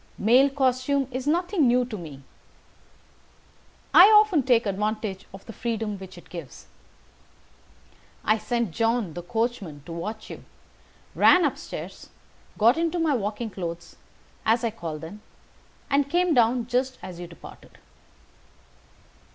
Male costume is nothing new to me. I often take advantage of the freedom which it gives. I sent John, the coachman, to watch you, ran up stairs, got into my walking clothes, as I call them, and came down just as you departed.